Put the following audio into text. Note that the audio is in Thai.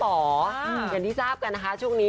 อย่างที่ทราบกันนะคะช่วงนี้